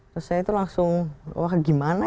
terus saya itu langsung wah gimana